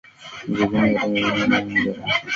ya kusini katika uwanja wa al gharafa